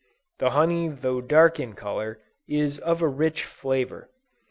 The honey though dark in color, is of a rich flavor.